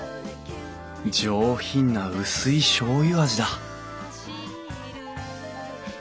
上品な薄いしょうゆ味だ